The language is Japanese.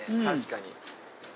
確かに。